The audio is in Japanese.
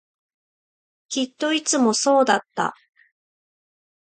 きっといつもそうだった